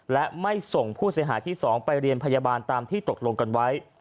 และไม่ส่งผู้เสียหายที่๒ไปเรียนพยาบาลตามที่ตกลงกันไว้